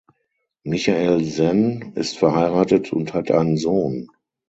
Michael Sen ist verheiratet und hat einen Sohn.